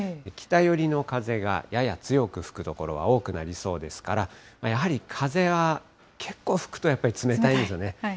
北寄りの風がやや強く吹く所が多くなりそうですから、やはり風は、結構吹くと、やっぱり冷たいですよね。